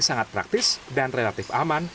sangat praktis dan relatif aman